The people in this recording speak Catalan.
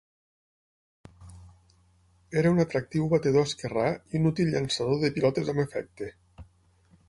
Era un atractiu batedor esquerrà i un útil llançador de pilotes amb efecte.